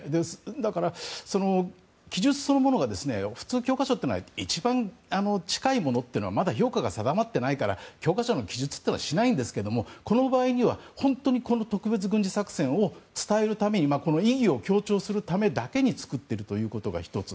だから、記述そのものが普通教科書っていうのは一番近いものというのはまだ評価が定まってないから教科書の記述というのはしないんですけどもこの場合には本当に特別軍事作戦を伝えるために意義を強調するためだけに作っているということが１つ。